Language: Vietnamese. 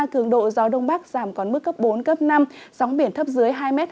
cường độ gió đông bắc giảm còn mức cấp bốn năm gióng biển thấp dưới hai hai mươi năm m